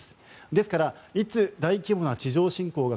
ですからいつ大規模な地上侵攻が